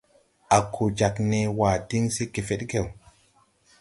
A ko jāg nee waa diŋ se gefedgew.